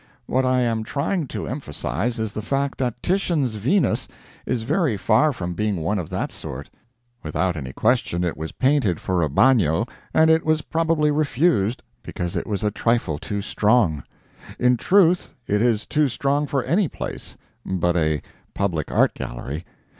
What I am trying to emphasize is the fact that Titian's Venus is very far from being one of that sort. Without any question it was painted for a bagnio and it was probably refused because it was a trifle too strong. In truth, it is too strong for any place but a public Art Gallery.